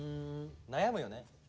悩むよね。